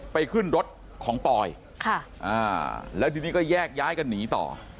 ขึ้นรถของปอยแล้วทีนี้ก็แยกย้ายกันหนีต่อ